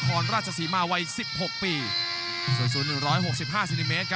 กรุงฝาพัดจินด้า